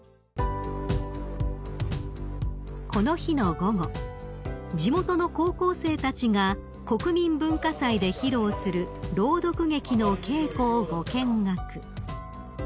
［この日の午後地元の高校生たちが国民文化祭で披露する朗読劇の稽古をご見学］